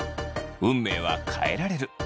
運命は変えられる。